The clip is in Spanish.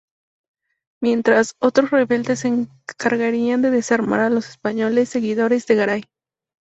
Mientras, otros rebeldes se encargarían de desarmar a los españoles seguidores de Garay.